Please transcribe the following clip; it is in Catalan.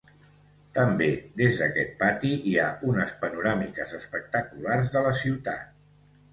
També des d'aquest pati hi ha unes panoràmiques espectaculars de la ciutat.